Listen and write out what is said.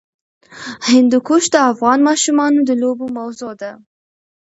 هندوکش د افغان ماشومانو د لوبو موضوع ده.